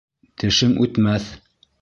Тешең үтмәҫ!